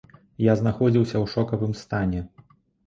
Я знаходзіўся ў шокавым стане.